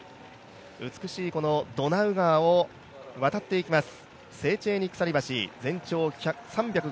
美しいこのドナウ川を渡っていきます。